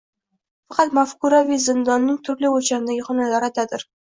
faqat “mafkuraviy zindon”ning turli o‘lchamdagi xonalaridadir.